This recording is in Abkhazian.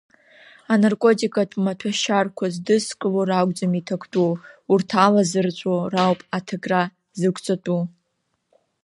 Анаркотикатә маҭәашьарқәа здызкыло ракәӡам иҭактәу, урҭ алазырҵәо роуп аҭакра зықәҵатәу.